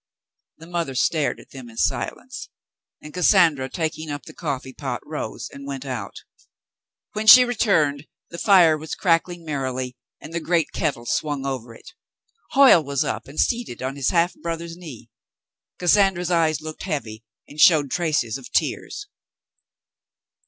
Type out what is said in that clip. The mother stared at them in silence, and Cassandra, taking up the coffee pot, rose and went out. When she returned, the fire was crackling merrily, and the great kettle swung over it. Hoyle was up and seated on his half brother's knee. Cassandra's eyes looked heavy and showed traces of tears.